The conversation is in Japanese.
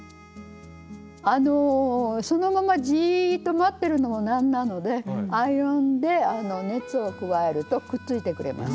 そのままじっと待ってるのも何なのでアイロンで熱を加えるとくっついてくれます。